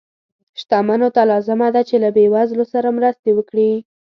شتمنو ته لازمه ده چې له بې وزلو سره مرستې وکړي.